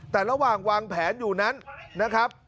แต่ระหว่างวางแผนอยู่นั้นนะครับ